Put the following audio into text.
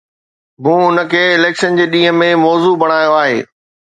مون ان کي اليڪشن جي ڏينهن ۾ موضوع بڻايو آهي.